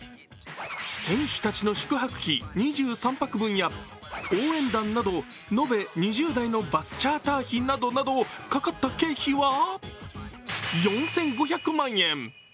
選手たちの宿泊費２３泊分や応援団など、延べ２０台のバスチャーター費などなどかかった経費は４５００万円。